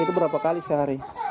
itu berapa kali sehari